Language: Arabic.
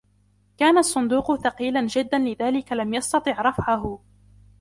كان الصندوق ثقيلاً جداً لذلك لم يستطع رفعه.